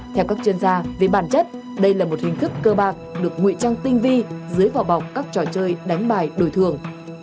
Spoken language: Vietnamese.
theo các chuyên gia với bản chất đây là một hình thức cơ bạc được nguy trang tinh vi dưới vỏ bọc các trò chơi đánh bài đổi thường